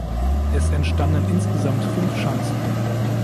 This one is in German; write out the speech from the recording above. Es entstanden insgesamt fünf Schanzen.